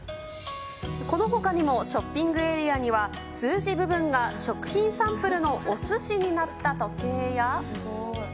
このほかにもショッピングエリアには、数字部分が食品サンプルのおすしになった時計や。